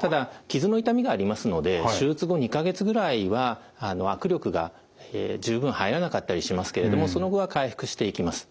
ただ傷の痛みがありますので手術後２か月ぐらいは握力が十分入らなかったりしますけれどもその後は回復していきます。